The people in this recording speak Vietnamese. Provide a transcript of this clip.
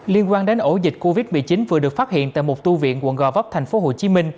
liên quan đến ổ dịch covid một mươi chín vừa được phát hiện tại một tu viện quận gò vấp tp hcm